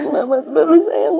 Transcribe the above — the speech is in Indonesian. mama baru sayang